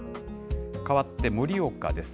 かわって盛岡です。